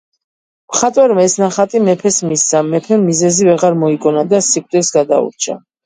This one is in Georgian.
მხატვარმა ეს ნახატი მეფეს მისცა. მეფემ მიზეზი ვეღარ მოიგონა და სიკვდილს გადაურჩა